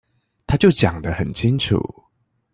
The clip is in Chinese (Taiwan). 他就講得很清楚